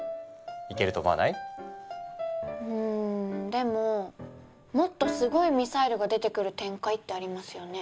でももっとすごいミサイルが出てくる展開ってありますよね？